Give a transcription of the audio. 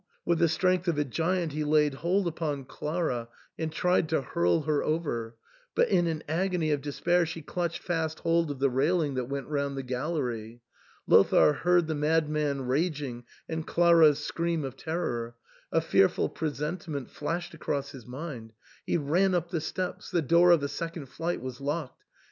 With the strength of a giant he laid hold upon Clara and tried to hurl her over, but in an agony of despair she clutched fast hold of the railing that went round the gallery. Lothair heard the madman raging and Clara's scream of terror: a fearful presentiment flashed across his mind. He ran up the steps ; the door of the second flight was locked.